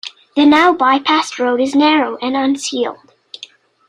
The now-bypassed road is narrow, and unsealed.